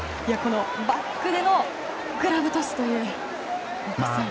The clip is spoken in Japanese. バックでのグラブトスという大越さん。